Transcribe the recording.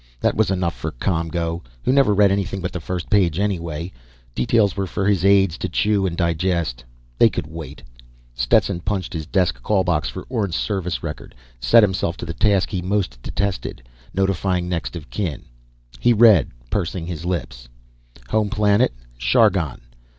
That was enough for ComGO, who never read anything but the first page anyway. Details were for his aides to chew and digest. They could wait. Stetson punched his desk callbox for Orne's service record, set himself to the task he most detested: notifying next of kin. He read, pursing his lips: "Home Planet: Chargon.